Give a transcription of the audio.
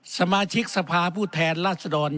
สมาชิกสภาผู้แทนราชดร